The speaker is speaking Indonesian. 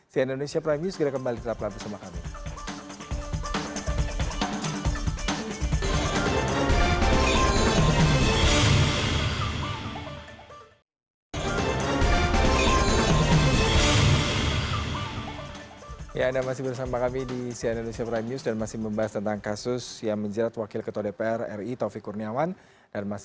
sia indonesia prime news segera kembali setelah pelaburan